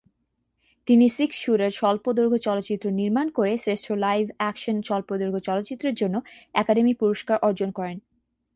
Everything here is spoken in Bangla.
তিনি "সিক্স শুটার" স্বল্পদৈর্ঘ্য চলচ্চিত্র নির্মাণ করে শ্রেষ্ঠ লাইভ অ্যাকশন স্বল্পদৈর্ঘ্য চলচ্চিত্রের জন্য একাডেমি পুরস্কার অর্জন করেন।